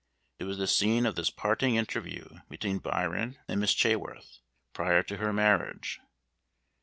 It was the scene of this parting interview between Byron and Miss Chaworth, prior to her marriage.